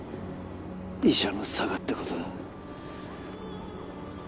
医者の性ってことだ